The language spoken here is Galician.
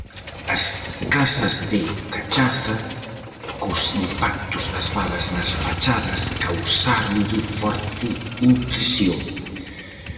As "casas de Cachaza", cos impactos das balas nas fachadas, causáronlle forte impresión.